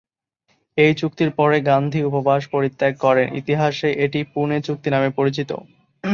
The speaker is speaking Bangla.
এই চুক্তির পরে গান্ধী উপবাস পরিত্যাগ করেন, ইতিহাসে এটি "পুনে চুক্তি" নামে পরিচিত।